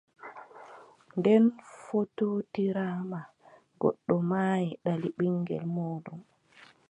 Nden fotootiraama, gooto maayi, ɗali ɓiŋngel muuɗum.